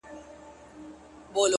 زه لاس په سلام سترگي راواړوه؛